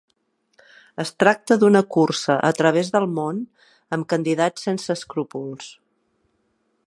Es tracta d'una cursa a través del món amb candidats sense escrúpols.